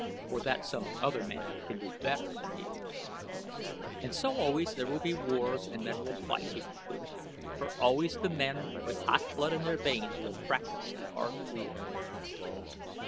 "Or that some other man can do better than he." "And so always there will be wars and men will fight," he concluded, "for always the men with hot blood in their veins will practice the art of war."